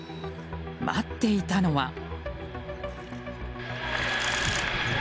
待っていたのは。